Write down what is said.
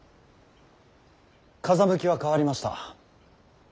風向きは変わりました。